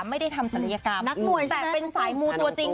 ไม่ได้ทำสัญลัยกรรมแต่เป็นสายหมูตัวจริง